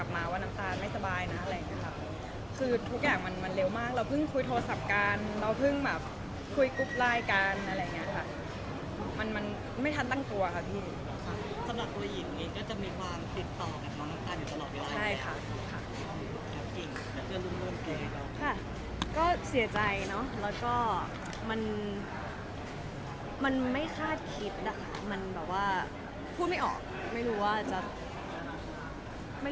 อะไรอย่างเงี้ยค่ะคือทุกอย่างมันมันเร็วมากเราเพิ่งคุยโทรศัพท์กันเราเพิ่งแบบคุยกุ๊บไลน์กันอะไรอย่างเงี้ยค่ะมันมันไม่ทันตั้งตัวค่ะคุณสำหรับตัวหญิงนี้ก็จะมีความติดต่อกันมั้งกันอยู่ตลอดอย่างเงี้ยใช่ค่ะก็เสียใจเนอะแล้วก็มันมันไม่คาดคิดอะค่ะมันแบบว่าพูดไม่ออกไม่รู้ว่าจะไม